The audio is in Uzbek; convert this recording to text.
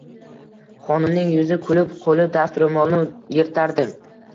Xonimning yuzi kulib, qo`li dastro`molni yirtardi